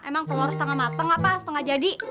emang pengurus setengah mateng apa setengah jadi